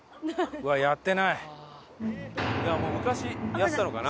昔やってたのかな？